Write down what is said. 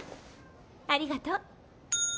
ありがと。